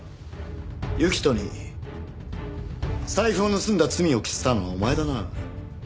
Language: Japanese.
行人に財布を盗んだ罪を着せたのはお前だな？